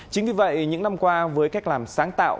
chính vì vậy những năm qua với cách làm sáng tạo